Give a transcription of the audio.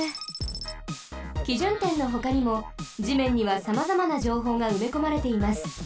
基準点のほかにも地面にはさまざまなじょうほうがうめこまれています。